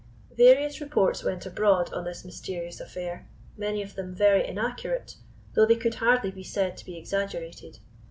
Various reports went abroad on this mysterious affair, many of them very inaccurate, though they could hardly be said to be exaggerated.